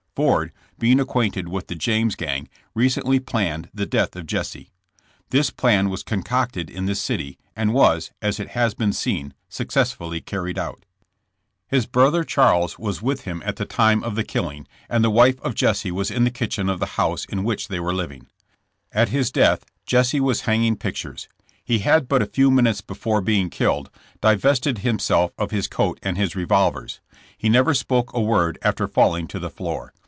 Ford, being acquainted with the James gang, recently planned the death of Jesse. This plan was concocted in this city, and was, as it has been seen, successfully carried out. His brother Charles was with him at the time of the killing, and 96 JKSSK JAMKS. the wife of Jesse was in the kitchen of the house in which they were living. At his death, Jesse was hanging pictures. He had but a few minutes be fore being killed, divested himself of his coat and his revolvers. He never spoke a word after falling to the floor.